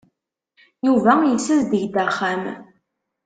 Yuba yessazdeg-d axxam.